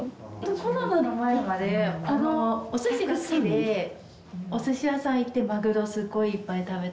コロナの前までおすしが好きでおすし屋さん行ってマグロすっごいいっぱい食べたり。